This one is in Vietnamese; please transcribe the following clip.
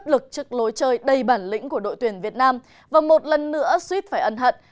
lực trước lối chơi đầy bản lĩnh của đội tuyển việt nam và một lần nữa suýt phải ân hận